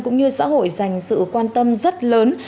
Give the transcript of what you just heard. cũng như xã hội dành sự quan tâm rất lớn